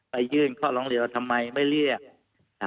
ไปยื่นข้อล้องเลือกทำไมไม่เรียก